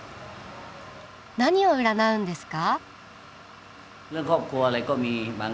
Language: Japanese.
何を占うんですか？